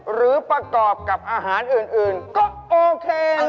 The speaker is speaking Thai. หรือประกอบกับอาหารอื่นก็โอเค